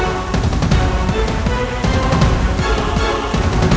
ambo telah meninggal